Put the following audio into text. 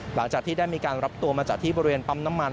หลังจากที่ได้มีการรับตัวมาจากที่บริเวณปั๊มน้ำมัน